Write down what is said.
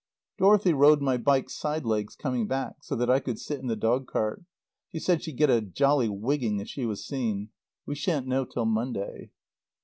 Dorothy rode my bike stridelegs coming back, so that I could sit in the dog cart. She said she'd get a jolly wigging if she was seen. We shan't know till Monday.